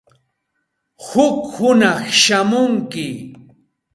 Huk hunaq shamunki.